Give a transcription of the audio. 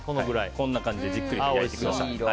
こんな感じでじっくりと焼いてください。